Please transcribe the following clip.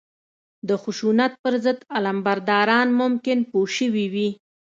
د خشونت پر ضد علمبرداران ممکن پوه شوي وي